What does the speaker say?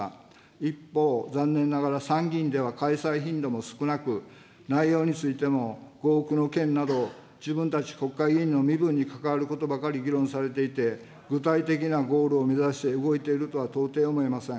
一方、残念ながら参議院では開催頻度も少なく、内容についても合区の件など、自分たち国会議員の身分に関わることばかり議論されていて、具体的なゴールを目指して動いているとは到底思えません。